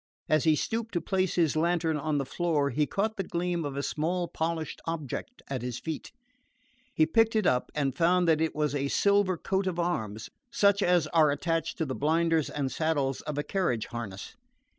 As he stooped to place his lantern on the floor he caught the gleam of a small polished object at his feet. He picked it up and found that it was a silver coat of arms, such as are attached to the blinders and saddles of a carriage harness.